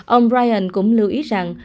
ông ryan cũng lưu ý rằng